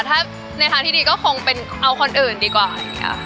ถ้าในทางที่ดีก็คงเป็นเอาคนอื่นดีกว่าอย่างนี้ค่ะ